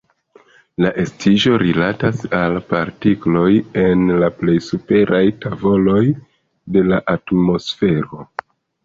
La estiĝo rilatas al partikloj en la plej superaj tavoloj de la atmosfero.